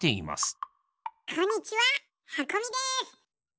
こんにちははこみです。